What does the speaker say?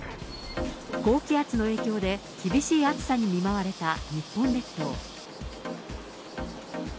高気圧の影響で厳しい暑さに見舞われた日本列島。